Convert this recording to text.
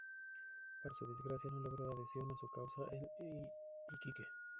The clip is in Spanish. Para su desgracia, no logró adhesión a su causa en Iquique.